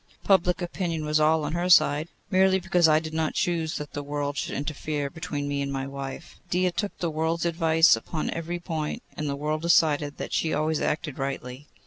Public opinion was all on her side, merely because I did not choose that the world should interfere between me and my wife. Dia took the world's advice upon every point, and the world decided that she always acted rightly.